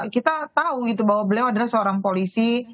kita tahu gitu bahwa beliau adalah seorang polisi